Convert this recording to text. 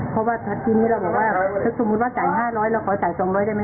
เพราะว่าชัดทีนี้เราบอกว่าถ้าสมมุติว่าจ่าย๕๐๐เราขอจ่าย๒๐๐ได้ไหม